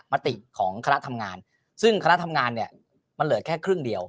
มติของคณะทำงานซึ่งคณะทำงานเนี่ยมันเหลือแค่ครึ่งเดียว